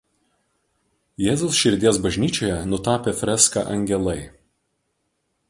Jėzaus Širdies bažnyčioje nutapė freską „Angelai“.